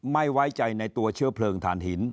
ไม่ไว้ใจในตัวเชื้อเพลิงฐานหิน